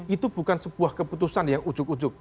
itu bukan sebuah keputusan yang ujuk ujuk